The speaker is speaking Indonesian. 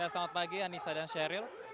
selamat pagi anissa dan sheryl